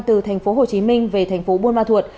từ thành phố hồ chí minh về thành phố buôn ma thuột